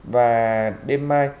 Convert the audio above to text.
và đêm mai